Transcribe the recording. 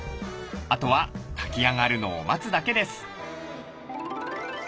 あとは炊き上がるのを待つだけです。